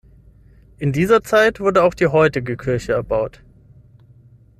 In dieser Zeit wurde auch die heutige Kirche erbaut.